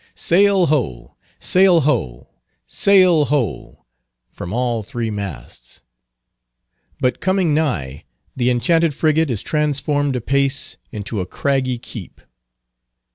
Sail ho! Sail ho! Sail ho! from all three masts. But coming nigh, the enchanted frigate is transformed apace into a craggy keep.